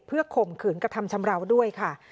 เพื่อข่มขืนกระทำชำราวด้วยค่ะ